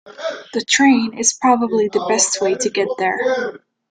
The train is probably the best way to get there.